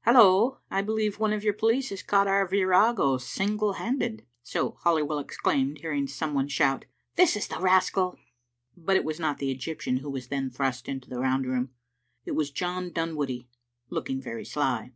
Hallo! I believe one of your police has caught our virago single handed." So Halliwell exclaimed, hearing some one shout, " This is the rascal !" But it was not the Egyptian who was then thrust into the round room. It was John Dunwoodie, looking very sly.